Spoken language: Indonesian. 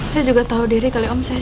saya juga tahu diri kalau om saya siapa